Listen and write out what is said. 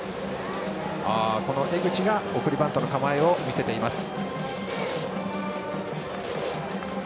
この江口が送りバントの構えを見せています。